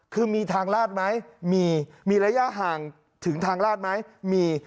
คือมีทางลาดไหมมีมีระยะห่างถึงทางลาดไหมมี